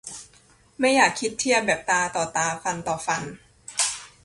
ไม่อยากคิดเทียบแบบตาต่อตาฟันต่อฟัน